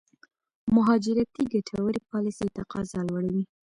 مهاجرتي ګټورې پالېسۍ تقاضا لوړوي.